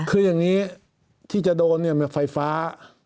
คืออย่างนี้ที่จะโดนเนี่ยไฟฟ้า